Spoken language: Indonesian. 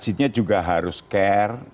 masjidnya juga harus care